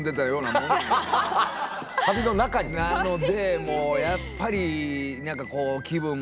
なのでもうやっぱり何かこう気分も落ちますしね。